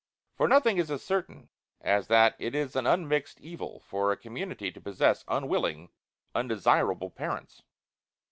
For nothing is as certain as that it is an unmixed evil for a community to possess unwilling, undesirable parents.